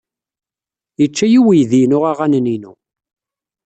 Yečča-iyi uydi-inu aɣanen-inu.